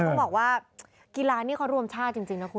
ก็บอกว่ากีฬานี้เขาร่วมชาติจริงนะครับ